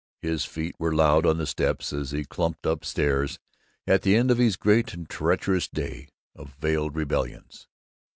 His feet were loud on the steps as he clumped upstairs at the end of this great and treacherous day of veiled rebellions.